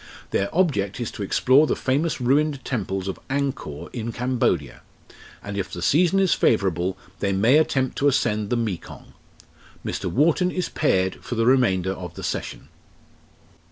Their object is to explore the famous ruined temples of Angkor in Cambodia, and if the season is favourable they may attempt to ascend the Mekong. Mr. Wharton is paired for the remainder of the session."